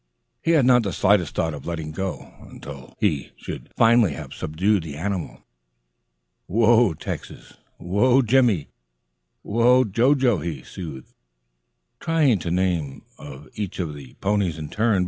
He had not the slightest thought of letting go until ho should finally have subdued the animal. "Whoa, Texas! Whoa, Jimmie! Whoa, Jo Jo!" he soothed, trying the name of each of the ponies in turn.